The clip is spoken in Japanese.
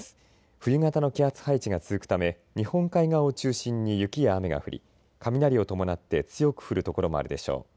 冬型の気圧配置が続くため日本海側を中心に雪や雨が降り雷を伴って強く降る所もあるでしょう。